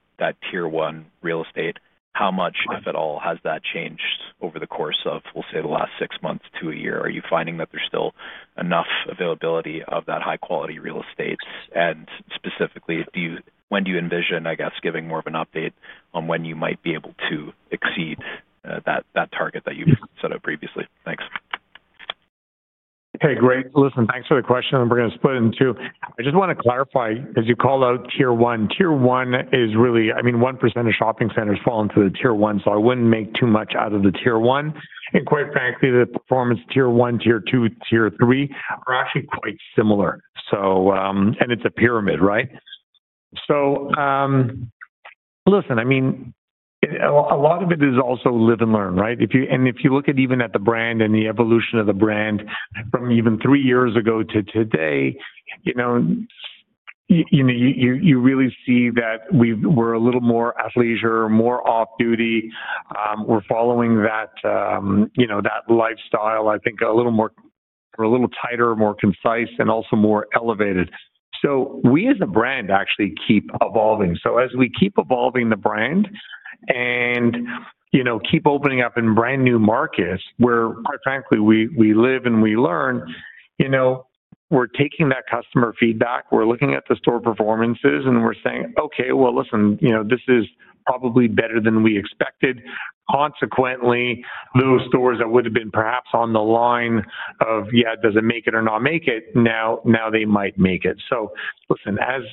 Tier 1 real estate, how much, if at all, has that changed over the course of, we'll say, the last six months to a year? Are you finding that there's still enough availability of that high-quality real estate? And specifically, when do you envision, I guess, giving more of an update on when you might be able to exceed that target that you've set up previously? Thanks. Okay. Great. Listen, thanks for the question, and we're going to split in two. I just want to clarify, as you call out Tier 1, Tier 1 is really, I mean, 1% of shopping centers fall into the Tier 1. So I wouldn't make too much out of the Tier 1, and quite frankly, the performance Tier 1, Tier 2, Tier 3 are actually quite similar, and it's a pyramid, right, so listen, I mean, a lot of it is also live and learn, right, and if you look at even at the brand and the evolution of the brand from even three years ago to today, you really see that we're a little more athleisure, more off-duty. We're following that lifestyle, I think, a little more tighter, more concise, and also more elevated, so we, as a brand, actually keep evolving. So as we keep evolving the brand and keep opening up in brand new markets where, quite frankly, we live and we learn, we're taking that customer feedback. We're looking at the store performances, and we're saying, "Okay. Well, listen, this is probably better than we expected." Consequently, those stores that would have been perhaps on the line of, "Yeah, does it make it or not make it?" Now they might make it. So listen, as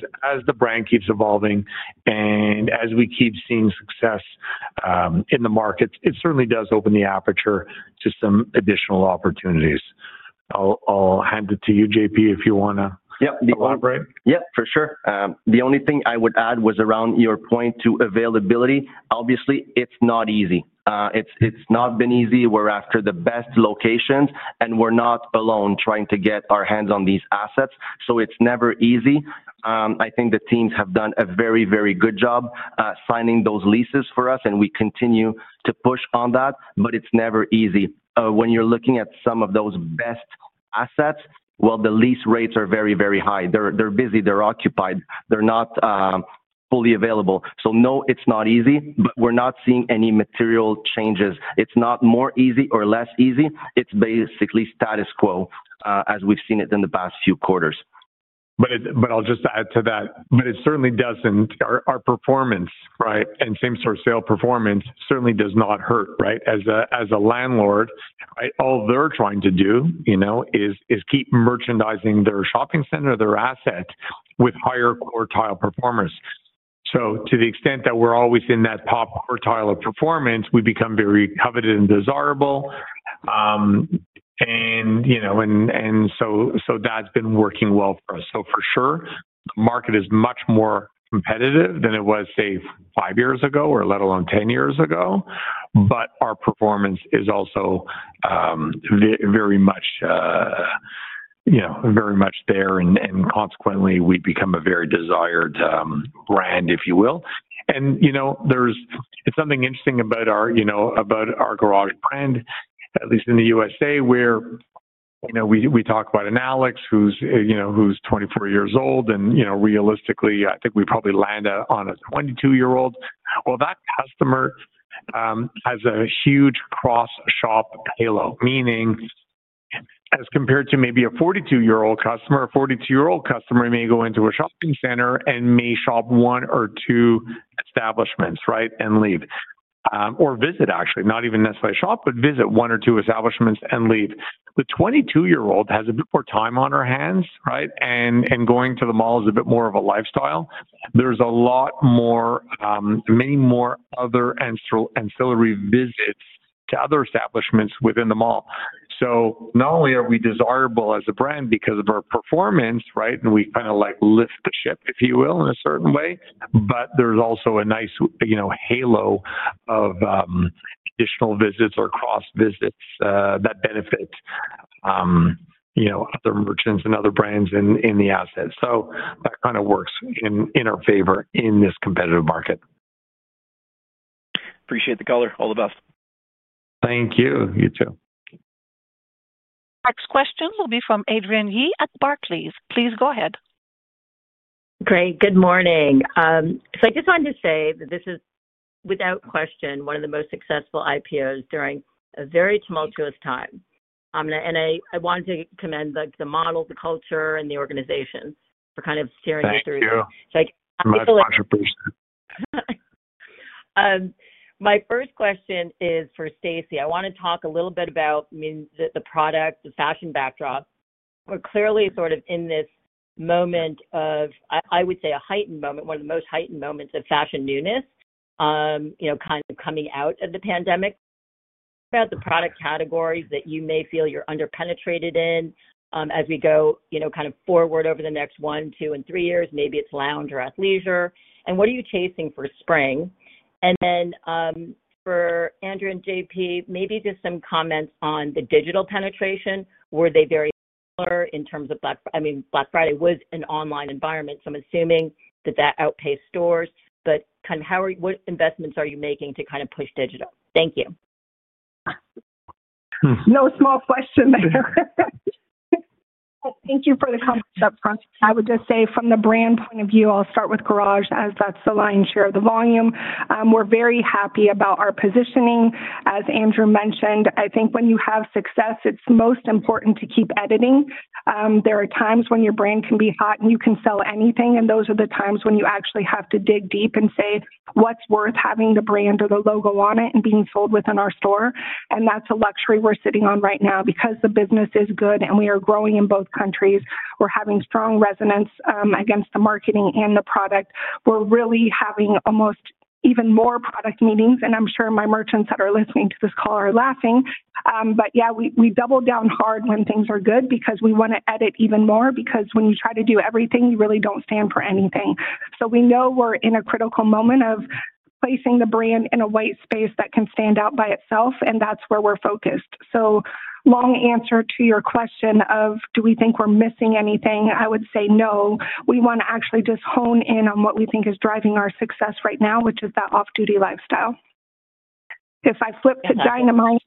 the brand keeps evolving and as we keep seeing success in the markets, it certainly does open the aperture to some additional opportunities. I'll hand it to you, JP, if you want to collaborate. Yep. Yep. For sure. The only thing I would add was around your point to availability. Obviously, it's not easy. It's not been easy. We're after the best locations, and we're not alone trying to get our hands on these assets, so it's never easy. I think the teams have done a very, very good job signing those leases for us, and we continue to push on that, but it's never easy. When you're looking at some of those best assets, well, the lease rates are very, very high. They're busy. They're occupied. They're not fully available, so no, it's not easy, but we're not seeing any material changes. It's not more easy or less easy. It's basically status quo as we've seen it in the past few quarters. But I'll just add to that, but it certainly doesn't. Our performance, right, and same-store sales performance certainly does not hurt, right? As a landlord, right, all they're trying to do is keep merchandising their shopping center, their asset, with higher quartile performance. To the extent that we're always in that top quartile of performance, we become very coveted and desirable. And so that's been working well for us. For sure, the market is much more competitive than it was, say, five years ago or let alone 10 years ago. But our performance is also very much there and, consequently, we become a very desired brand, if you will. And there's something interesting about our Garage brand, at least in the U.S., where we talk about an Alex who's 24 years old. And realistically, I think we probably land on a 22-year-old. Well, that customer has a huge cross-shop payload, meaning as compared to maybe a 42-year-old customer, a 42-year-old customer may go into a shopping center and may shop one or two establishments, right, and leave. Or visit, actually. Not even necessarily shop, but visit one or two establishments and leave. The 22-year-old has a bit more time on her hands, right? And going to the mall is a bit more of a lifestyle. There's a lot more, many more other ancillary visits to other establishments within the mall. So not only are we desirable as a brand because of our performance, right, and we kind of lift the ship, if you will, in a certain way, but there's also a nice halo of additional visits or cross-visits that benefit other merchants and other brands in the assets. So that kind of works in our favor in this competitive market. Appreciate the color. All the best. Thank you. You too. Next question will be from Adrienne Yih at Barclays. Please go ahead. Great. Good morning. So I just wanted to say that this is, without question, one of the most successful IPOs during a very tumultuous time. And I wanted to commend the model, the culture, and the organization for kind of steering us through. Thank you. My first question is for Stacie. I want to talk a little bit about the product, the fashion backdrop. We're clearly sort of in this moment of, I would say, a heightened moment, one of the most heightened moments of fashion newness, kind of coming out of the pandemic. What about the product categories that you may feel you're underpenetrated in as we go kind of forward over the next one, two, and three years? Maybe it's lounge or athleisure. And what are you chasing for spring? And then for Andrew and JP, maybe just some comments on the digital penetration. Were they very similar in terms of Black Friday? I mean, Black Friday was an online environment. So I'm assuming that that outpaced stores. But kind of what investments are you making to kind of push digital? Thank you. No small question there. Thank you for the comprehensive question. I would just say, from the brand point of view, I'll start with Garage as that's the lion's share of the volume. We're very happy about our positioning. As Andrew mentioned, I think when you have success, it's most important to keep editing. There are times when your brand can be hot and you can sell anything. And those are the times when you actually have to dig deep and say, "What's worth having the brand or the logo on it and being sold within our store?" And that's a luxury we're sitting on right now. Because the business is good and we are growing in both countries, we're having strong resonance against the marketing and the product. We're really having almost even more product meetings. And I'm sure my merchants that are listening to this call are laughing. But yeah, we double down hard when things are good because we want to edit even more because when you try to do everything, you really don't stand for anything. So we know we're in a critical moment of placing the brand in a white space that can stand out by itself. And that's where we're focused. So long answer to your question of, "Do we think we're missing anything?" I would say no. We want to actually just hone in on what we think is driving our success right now, which is that off-duty lifestyle. If I flip to Dynamite,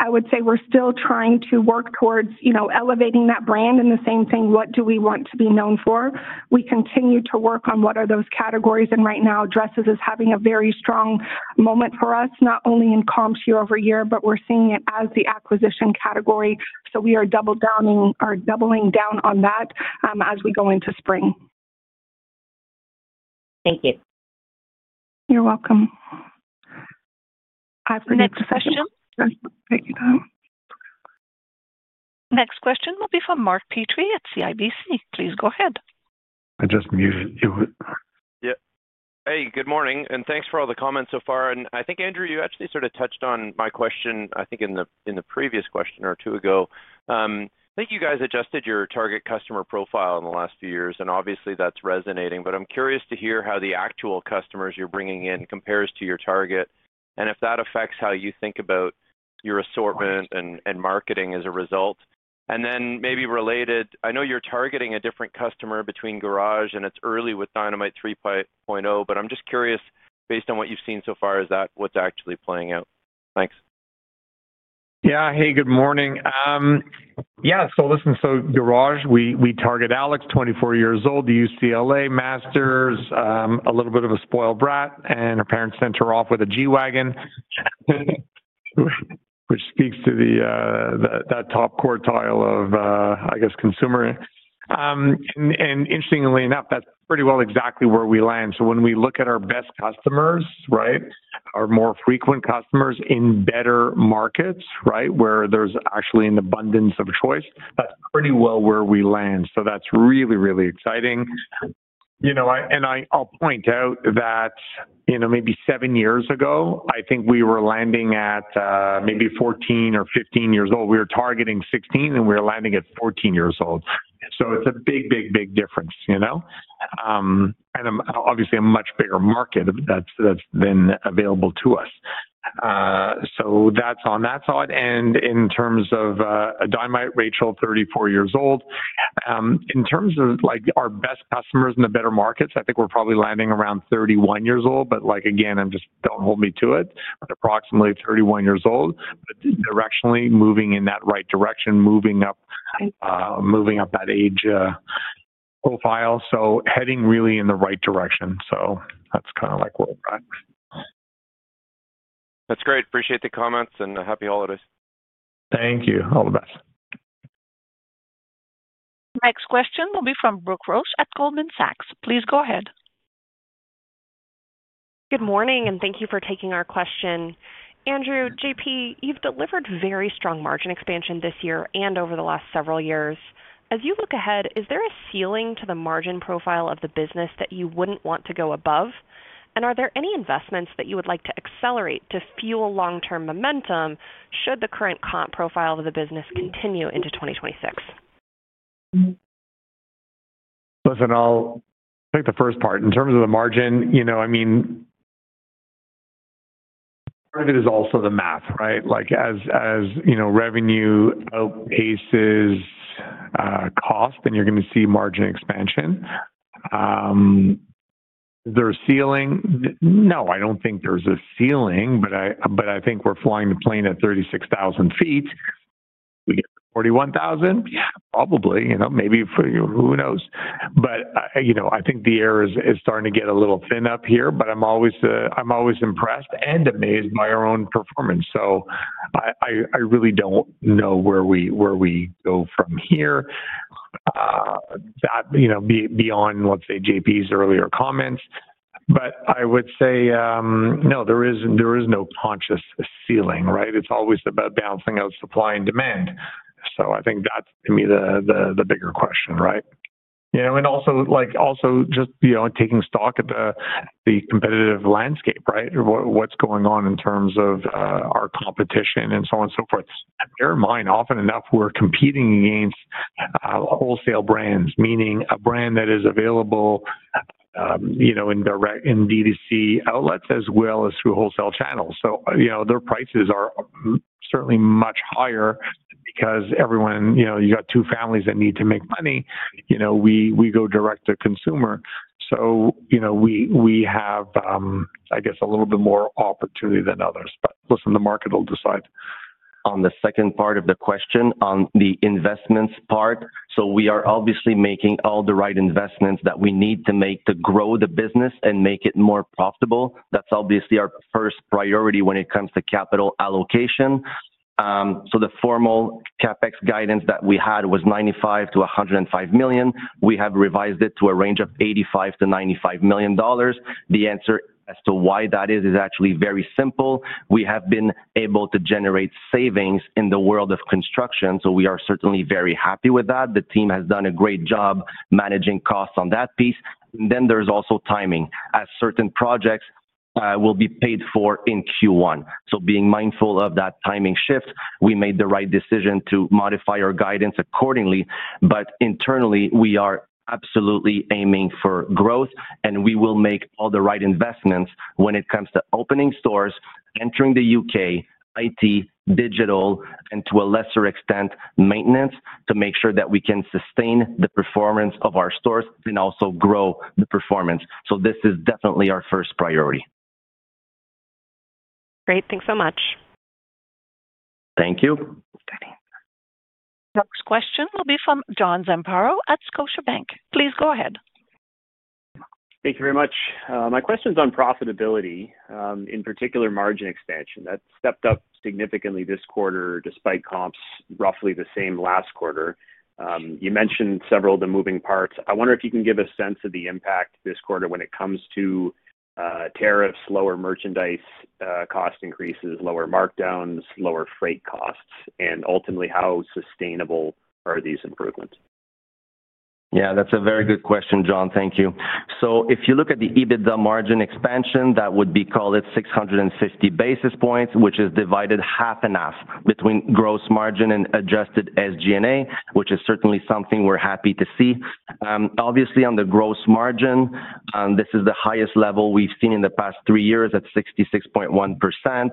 I would say we're still trying to work towards elevating that brand. And the same thing, what do we want to be known for? We continue to work on what are those categories. Right now, dresses is having a very strong moment for us, not only in comps year over year, but we're seeing it as the acquisition category. We are doubling down on that as we go into spring. Thank you. You're welcome. Next question will be from Mark Petrie at CIBC. Please go ahead. I just muted you. Yep. Hey, good morning, and thanks for all the comments so far. I think, Andrew, you actually sort of touched on my question, I think, in the previous question or two ago. I think you guys adjusted your target customer profile in the last few years, and obviously, that's resonating, but I'm curious to hear how the actual customers you're bringing in compares to your target and if that affects how you think about your assortment and marketing as a result, and then maybe related, I know you're targeting a different customer between Garage and it's early with Dynamite 3.0, but I'm just curious, based on what you've seen so far, is that what's actually playing out? Thanks. Yeah. Hey, good morning. Yeah. So listen, Garage. We target Alex, 24 years old, UCLA Masters, a little bit of a spoiled brat. And her parents sent her off with a G-Wagen, which speaks to that top quartile of, I guess, consumer. And interestingly enough, that's pretty well exactly where we land. So when we look at our best customers, right, our more frequent customers in better markets, right, where there's actually an abundance of choice, that's pretty well where we land. So that's really, really exciting. And I'll point out that maybe seven years ago, I think we were landing at maybe 14 or 15 years old. We were targeting 16, and we were landing at 14 years old. So it's a big, big, big difference. And obviously, a much bigger market that's then available to us. So that's on that side. In terms of Dynamite, Rachel, 34 years old. In terms of our best customers in the better markets, I think we're probably landing around 31 years old. But again, I'm just, don't hold me to it, but approximately 31 years old, but directionally moving in that right direction, moving up that age profile. Heading really in the right direction. That's kind of like where we're at. That's great. Appreciate the comments and happy holidays. Thank you. All the best. Next question will be from Brooke Roach at Goldman Sachs. Please go ahead. Good morning, and thank you for taking our question. Andrew, JP, you've delivered very strong margin expansion this year and over the last several years. As you look ahead, is there a ceiling to the margin profile of the business that you wouldn't want to go above? And are there any investments that you would like to accelerate to fuel long-term momentum should the current comp profile of the business continue into 2026? Listen, I'll take the first part. In terms of the margin, I mean, part of it is also the math, right? As revenue outpaces cost, then you're going to see margin expansion. Is there a ceiling? No, I don't think there's a ceiling, but I think we're flying the plane at 36,000 feet. We get to 41,000? Yeah, probably. Maybe. Who knows? But I think the air is starting to get a little thin up here. But I'm always impressed and amazed by our own performance. So I really don't know where we go from here, beyond, let's say, JP's earlier comments. But I would say, no, there is no conscious ceiling, right? It's always about balancing out supply and demand. So I think that's, to me, the bigger question, right? And also just taking stock of the competitive landscape, right? What's going on in terms of our competition and so on and so forth? In their mind, often enough, we're competing against wholesale brands, meaning a brand that is available in DTC outlets as well as through wholesale channels. So their prices are certainly much higher because every one you've got two families that need to make money. We go direct to consumer. So we have, I guess, a little bit more opportunity than others. But listen, the market will decide. On the second part of the question, on the investments part, so we are obviously making all the right investments that we need to make to grow the business and make it more profitable. That's obviously our first priority when it comes to capital allocation, so the formal CapEx guidance that we had was 95 million-105 million. We have revised it to a range of 85 million-95 million dollars. The answer as to why that is is actually very simple. We have been able to generate savings in the world of construction, so we are certainly very happy with that. The team has done a great job managing costs on that piece, and then there's also timing as certain projects will be paid for in Q1, so being mindful of that timing shift, we made the right decision to modify our guidance accordingly. But internally, we are absolutely aiming for growth, and we will make all the right investments when it comes to opening stores, entering the U.K., IT, digital, and to a lesser extent, maintenance to make sure that we can sustain the performance of our stores and also grow the performance. So this is definitely our first priority. Great. Thanks so much. Thank you. Next question will be from John Zamparo at Scotiabank. Please go ahead. Thank you very much. My question's on profitability, in particular, margin expansion. That stepped up significantly this quarter despite comps roughly the same last quarter. You mentioned several of the moving parts. I wonder if you can give a sense of the impact this quarter when it comes to tariffs, lower merchandise cost increases, lower markdowns, lower freight costs, and ultimately, how sustainable are these improvements? Yeah, that's a very good question, John. Thank you. So if you look at the EBITDA margin expansion, that would be called at 650 basis points, which is divided half and half between gross margin and adjusted SG&A, which is certainly something we're happy to see. Obviously, on the gross margin, this is the highest level we've seen in the past three years at 66.1%.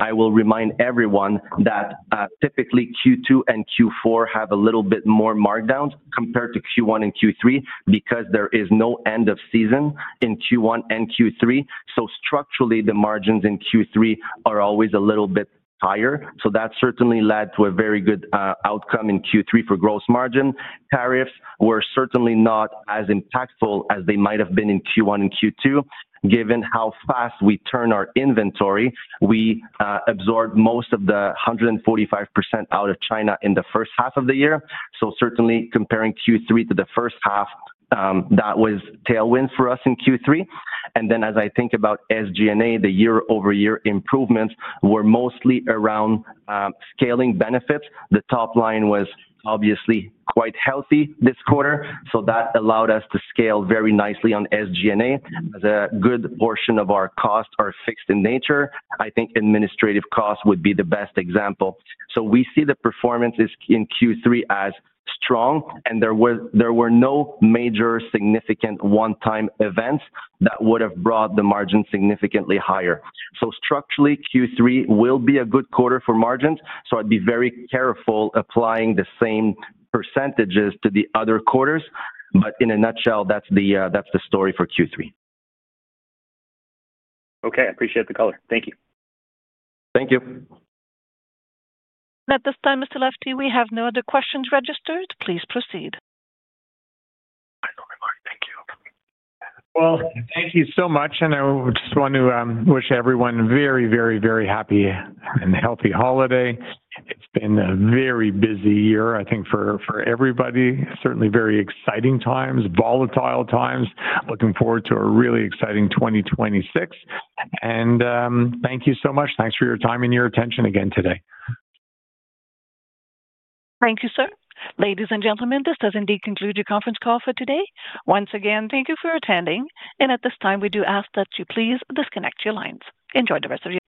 I will remind everyone that typically, Q2 and Q4 have a little bit more markdowns compared to Q1 and Q3 because there is no end of season in Q1 and Q3. So structurally, the margins in Q3 are always a little bit higher. So that certainly led to a very good outcome in Q3 for gross margin. Tariffs were certainly not as impactful as they might have been in Q1 and Q2. Given how fast we turn our inventory, we absorbed most of the 145% out of China in the first half of the year. So certainly, comparing Q3 to the first half, that was tailwinds for us in Q3. And then as I think about SG&A, the year-over-year improvements were mostly around scaling benefits. The top line was obviously quite healthy this quarter. So that allowed us to scale very nicely on SG&A as a good portion of our costs are fixed in nature. I think administrative costs would be the best example. So we see the performance in Q3 as strong, and there were no major significant one-time events that would have brought the margin significantly higher. So structurally, Q3 will be a good quarter for margins. So I'd be very careful applying the same percentages to the other quarters. But in a nutshell, that's the story for Q3. Okay. I appreciate the color. Thank you. Thank you. At this time, Mr. Lutfy, we have no other questions registered. Please proceed. Thank you. Thank you so much. I just want to wish everyone a very, very, very happy and healthy holiday. It's been a very busy year, I think, for everybody. Certainly very exciting times, volatile times. Looking forward to a really exciting 2026. Thank you so much. Thanks for your time and your attention again today. Thank you, sir. Ladies and gentlemen, this does indeed conclude your conference call for today. Once again, thank you for attending. And at this time, we do ask that you please disconnect your lines. Enjoy the rest of your day.